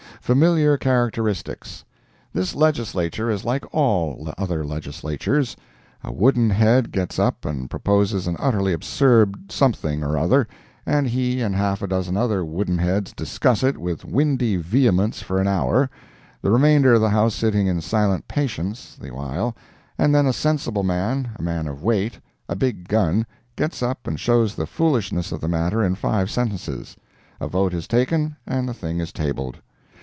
FAMILIAR CHARACTERISTICS This Legislature is like all other Legislatures. A wooden head gets up and proposes an utterly absurd some thing or other, and he and half a dozen other wooden heads discuss it with windy vehemence for an hour, the remainder of the house sitting in silent patience the while, and then a sensible man—a man of weight—a big gun—gets up and shows the foolishness of the matter in five sentences; a vote is taken and the thing is tabled.